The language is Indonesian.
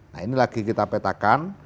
nah ini lagi kita petakan